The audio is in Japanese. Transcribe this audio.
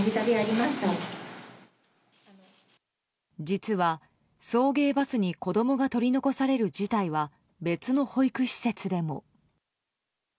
実は、送迎バスに子供が取り残される事態は別の保育施設でも。